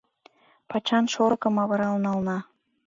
Пачан шорыкым авырал нална.